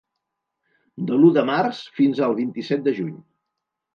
De l’u de març fins al vint-i-set de juny.